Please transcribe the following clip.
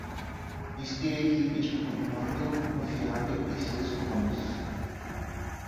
Inspire a equipe de comando confiável e seus comandos.